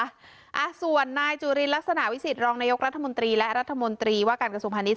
อ่าส่วนนายจุฬิลักษณะวิสิทธิ์รองนายกรัฐมนตรีและรัฐมนตรีว่าการกระสุนพันธ์นี้